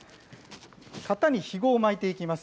型にひごを巻いていきます。